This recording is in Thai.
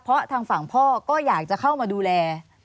เพราะทางฝั่งพ่อก็อยากจะเข้ามาดูแล